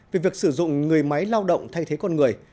về việc sử dụng người máy lao động thay thế con người